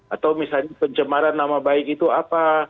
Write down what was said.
atau misalnya pencemaran nama baik itu apa